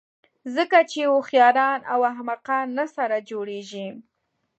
ځکه چې هوښیاران او احمقان نه سره جوړېږي.